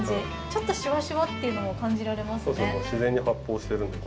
ちょっとシュワシュワというのも感じられますね。